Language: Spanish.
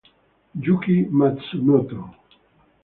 Yuki Matsumoto